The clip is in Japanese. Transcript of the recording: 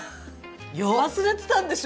忘れてたんでしょ？